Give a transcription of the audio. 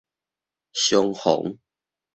相逢